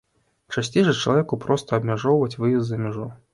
Часцей жа чалавеку проста абмяжоўваюць выезд за мяжу.